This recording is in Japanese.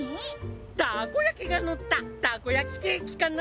たこ焼きが乗ったたこ焼きケーキかな！